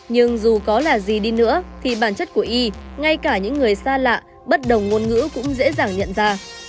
nhưng dù có là gì đi nữa thì bản chất của y ngay cả những người xa lạ bất đồng ngôn ngữ cũng dễ dàng nhận ra